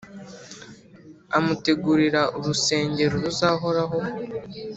amutegurira urusengero ruzahoraho.